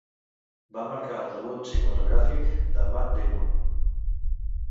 Va marcar el debut cinematogràfic de Matt Damon.